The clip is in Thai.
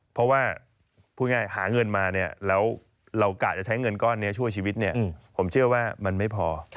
เพราะว่าพูดง่ายหาเงินมาเนี่ยแล้วเรากะจะใช้เงินก้อนนี้ช่วยชีวิตผมเชื่อว่ามันไม่พอ